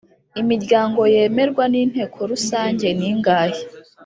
imiryango yemerwa n Inteko Rusange ningaahe